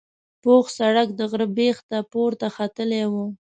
پوخ سړک د غره بیخ ته پورته ختلی و.